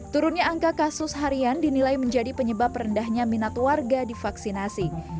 turunnya angka kasus harian dinilai menjadi penyebab rendahnya minat warga divaksinasi